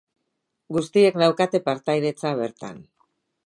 Guztiek daukate partaidetza bertan.